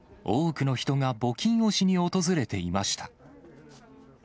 多くの人が募金をしに訪れていました。